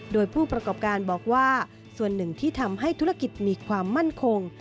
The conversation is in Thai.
โดยผู้ประกอบการบอกว่าส่วนหนึ่งที่ทำให้ธุรกิจมีความมั่นคง